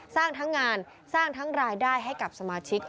สร้างทั้งงานสร้างทั้งรายได้ให้กับสมาชิก